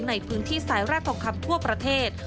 ในพื้นที่สายแร่ทองคำทั่วประเทศ